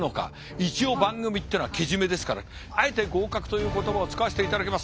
一応番組ってのはけじめですからあえて合格という言葉を使わせていただきます。